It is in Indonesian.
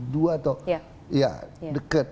dua atau ya dekat